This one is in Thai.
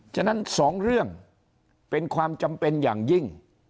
ฉะนั้นสองเรื่องเป็นความจำเป็นอย่างยิ่ง